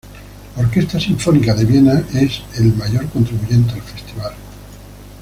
La Orquesta Sinfónica de Viena es el mayor contribuyente al festival.